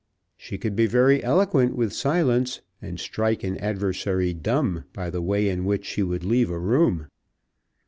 She could be very eloquent with silence, and strike an adversary dumb by the way in which she would leave a room.